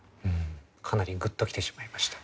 かなりグッときてしまいました。